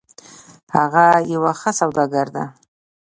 هغه یو ښه سوداګر ده